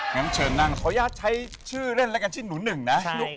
งั้นเชิญนั่งขออนุญาตใช้ชื่อเล่นแล้วกันชื่อหนูหนึ่งนะ